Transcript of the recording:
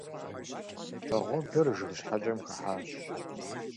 Вагъуэбэр жыг щхьэкӀэм хыхьащ.